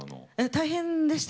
大変でした。